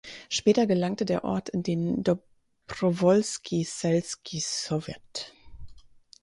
Später gelangte der Ort in den Dobrowolski selski Sowet.